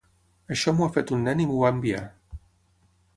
Això m’ho ha fet un nen i m’ho va enviar.